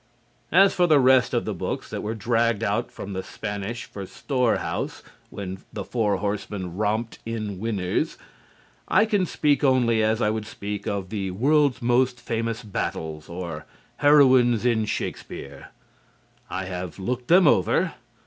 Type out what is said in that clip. As for the rest of the books that were dragged out from the Spanish for "storehouse" when "The Four Horsemen" romped in winners, I can speak only as I would speak of "The World's Most Famous Battles" or "Heroines in Shakespeare." I have looked them over.